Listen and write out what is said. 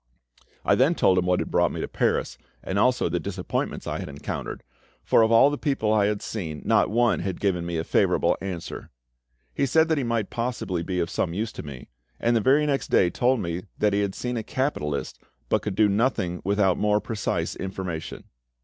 I then told him what had brought me to Paris, and also the disappointments I had encountered, for of all the people I had seen not one had given me a favourable answer. He said that he might possibly be of some use to me, and the very next day told 'me that he had seen a capitalist, but could do nothing without more precise information.